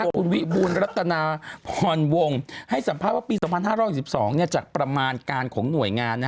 คุณวิบูรณรัตนาพรวงให้สัมภาษณ์ว่าปี๒๕๖๒จากประมาณการของหน่วยงาน